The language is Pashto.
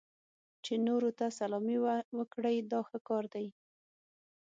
چې نورو ته سلامي وکړئ دا ښه کار دی.